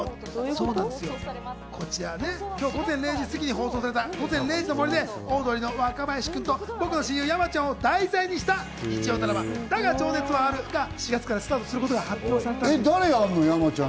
こちらは、今日午前０時すぎに放送された、『午前０時の森』でオードリーの若林君と僕の親友・山ちゃんを題材にした日曜ドラマ『だが、情熱はある』が、４月からスターあと誰なの？